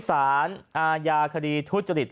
สารอาญาคดีทุจริต